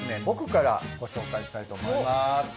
僕からご紹介したいと思います。